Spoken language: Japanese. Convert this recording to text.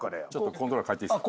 コントローラー替えていいです？